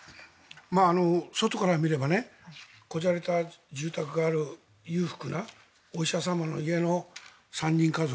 外から見ればこじゃれた住宅がある裕福なお医者様の家の３人家族。